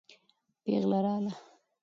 پېغله راغله.